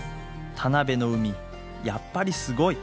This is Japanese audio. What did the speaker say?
田辺の海やっぱりすごい！